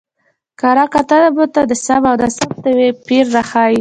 کره کتنه موږ ته د سم او ناسم توپير راښيي.